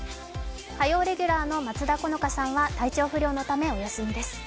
火曜レギュラーの松田好花さんは体調不良のため、お休みです。